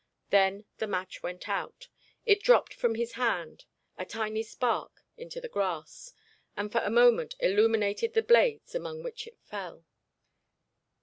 Then the match went out; it dropped from his hand, a tiny spark, into the grass, and for a moment illuminated the blades among which it fell.